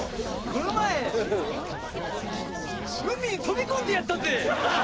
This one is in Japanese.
海に飛び込んでやったぜ！